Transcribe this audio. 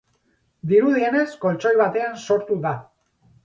Dirudienez, koltxoi batean sortu da.